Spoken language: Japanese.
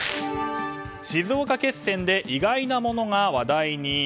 静岡決戦で意外なものが話題に。